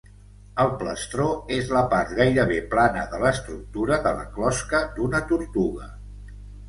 El plastró és la part gairebé plana de l'estructura de la closca d'una tortuga.